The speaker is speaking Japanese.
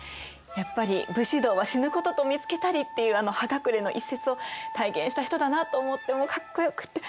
やっぱり「武士道は死ぬことと見つけたり」っていうあの「葉隠」の一節を体現した人だなと思ってもうかっこよくって。